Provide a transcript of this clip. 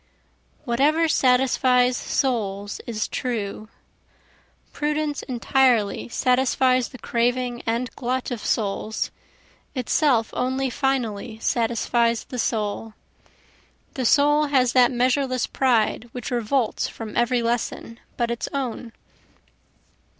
Whatever satisfies souls is true; Prudence entirely satisfies the craving and glut of souls, Itself only finally satisfies the soul, The soul has that measureless pride which revolts from every lesson but its own.